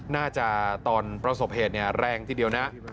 น่าจะตอนประสบเหตุแรงทีเดียวนะ